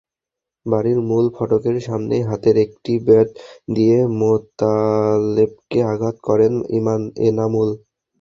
বাড়ির মূল ফটকের সামনেই হাতের একটি ব্যাট দিয়ে মোতালেবকে আঘাত করেন এনামুল।